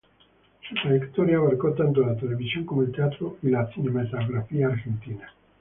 Su trayectoria abarcó tanto la televisión como el teatro y la cinematografía argentina.